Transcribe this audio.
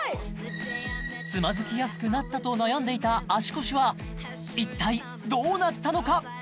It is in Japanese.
つまずきやすくなったと悩んでいた足腰は一体どうなったのか？